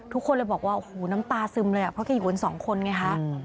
ทุกคนเลยบอกว่าโอ้โหน้ำตาซึมเลยเพราะแกอยู่กันสองคนไงคะ